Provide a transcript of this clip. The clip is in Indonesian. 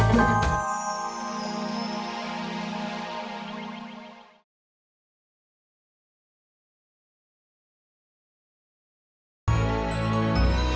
saya juga nak wars spies